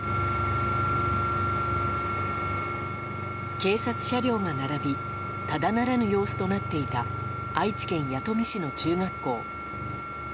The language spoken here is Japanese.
警察車両が並びただならぬ様子となっていた愛知県弥富市の中学校。